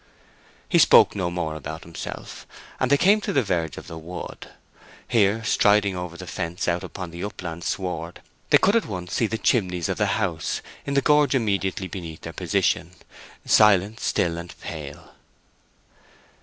He spoke no more about himself, and they came to the verge of the wood. Here, striding over the fence out upon the upland sward, they could at once see the chimneys of the house in the gorge immediately beneath their position, silent, still, and pale.